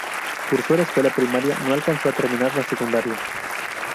Cursó la escuela primaria, no alcanzó a terminar la secundaria.